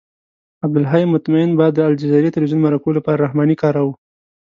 عبدالحی مطمئن به د الجزیرې تلویزیون مرکو لپاره رحماني کاراوه.